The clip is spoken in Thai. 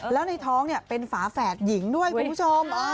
แล้วในท้องเป็นฝาแฝดหญิงด้วยคุณผู้ชม